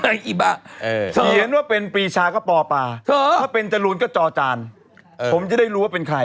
อิบะเขียนว่าเป็นปีชาก็ปอปาถ้าเป็นจรูนก็จอจานผมจะได้รู้ว่าเป็นใคร